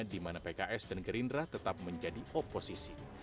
dimana pks dan gerindra tetap menjadi oposisi